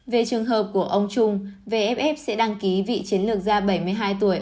về trường hợp của ông trung vff sẽ đăng ký vị chiến lược gia bảy mươi hai tuổi